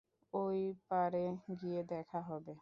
ঐপারে গিয়ে দেখা হবে।